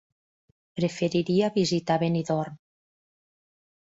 Preferiria visitar Benidorm.